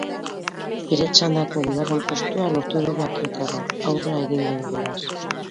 Bere txandako bigarren postua lortu du bakiotarrak, aurrera egingo du beraz.